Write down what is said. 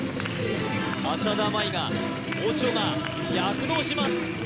浅田舞がオチョが躍動します